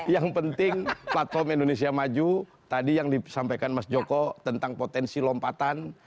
yang penting platform indonesia maju tadi yang disampaikan mas joko tentang potensi lompatan